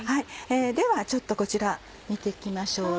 ではちょっとこちら見て行きましょう。